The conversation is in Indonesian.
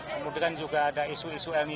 kemudian juga ada isu isu ini